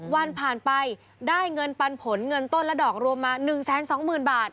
วันผ่านไปได้เงินปันผลเงินต้นและดอกรวมมา๑๒๐๐๐บาท